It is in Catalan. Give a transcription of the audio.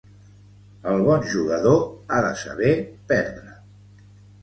El bon jugador ha de saber perdre.